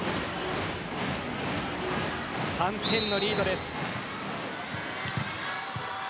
３点のリードです。